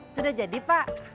sudah jadi pak